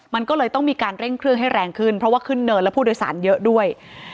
มันก็เลยต้องมีการเร่งเครื่องให้แรงขึ้นเพราะว่าขึ้นเนินแล้วผู้โดยสารเยอะด้วย